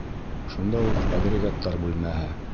Шунда уҡ агрегаттар бүлмәһе.